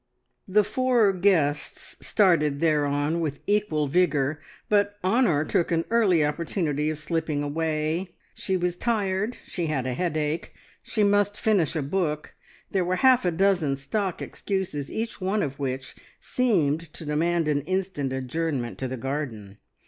The four guests started thereon with equal vigour, but Honor took an early opportunity of slipping away. She was tired, she had a headache, she must finish a book, there were half a dozen stock excuses, each one of which seemed to demand an instant adjournment to the garden.